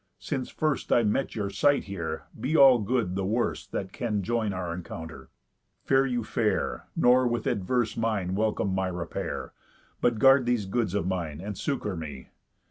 Since first I meet your sight here, be all good the worst That can join our encounter. Fare you fair, Nor with adverse mind welcome my repair, But guard these goods of mine, and succour me.